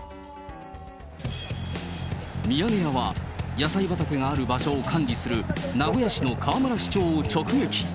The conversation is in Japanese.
ミヤネ屋は、野菜畑がある場所を管理する名古屋市の河村市長を直撃。